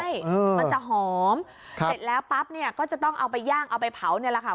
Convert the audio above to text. ใช่มันจะหอมเสร็จแล้วปั๊บเนี่ยก็จะต้องเอาไปย่างเอาไปเผาเนี่ยแหละค่ะ